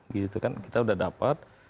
gitu kan kita udah dapat